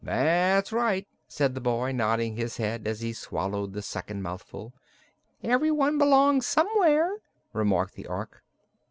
"That's right," said the boy, nodding his head as he swallowed the second mouthful. "Everyone belongs somewhere," remarked the Ork.